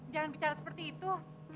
jangan bicara seperti itu